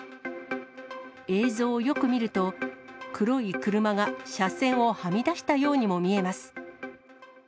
映像をよく見ると、黒い車が車線をはみ出したようにも見えます。